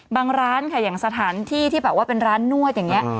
ร้านค่ะอย่างสถานที่ที่แบบว่าเป็นร้านนวดอย่างนี้